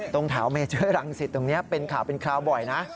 ตรงแถวเมเจอร์รังสิตตรงนี้เป็นข่าวเป็นคราวบ่อยนะ